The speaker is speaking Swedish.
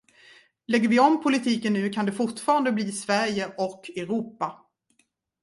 Lägger vi om politiken nu kan det fortfarande bli Sverige och Europa.